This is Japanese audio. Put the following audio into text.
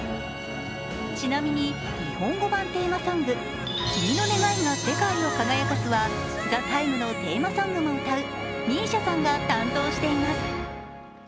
ちなみに、日本語版テーマソング「君の願いが世界を輝かす」は「ＴＨＥＴＩＭＥ，」のテーマソングも歌うＭＩＳＩＡさんが担当しています。